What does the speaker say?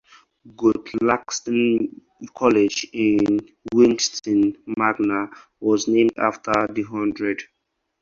Guthlaxton College in Wigston Magna was named after the hundred.